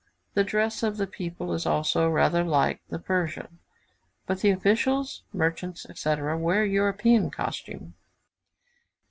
The dress of the people is also rather like the Persian, but the officials, merchants, etc., wear European costume.